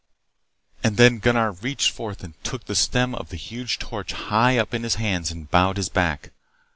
And then Gunnar reached forth and took the stem of the huge torch high up in his hands and bowed his back.